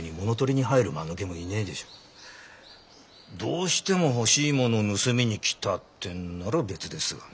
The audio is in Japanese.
どうしても欲しいものを盗みに来たってんなら別ですがね。